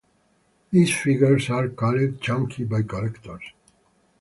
These figures are called "chunky" by collectors.